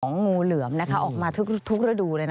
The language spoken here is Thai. ของงูเหลือมนะคะออกมาทุกระดูเลยนะ